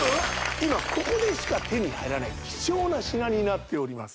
今ここでしか手に入らない貴重な品になっております